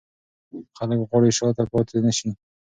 خلک غواړي شاته پاتې نه شي.